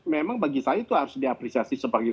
memang bagi saya itu harus diapresiasi sebagai